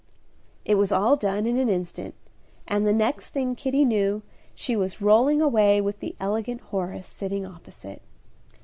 It was all done in an instant, and the next thing Kitty knew she was rolling away with the elegant Horace sitting opposite.